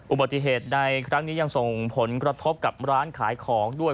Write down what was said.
อุบัติเหตุในครั้งนี้ยังส่งผลกระทบกับร้านขายของด้วย